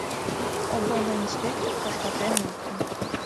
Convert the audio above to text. Обоно инспектор кожгатен луктын...